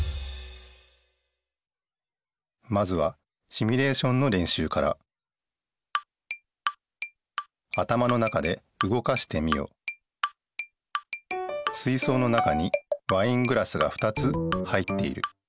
まずはシミュレーションのれんしゅうから水そうの中にワイングラスが２つ入っている。